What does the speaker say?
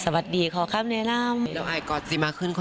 สวัสดีขอคับนายนาม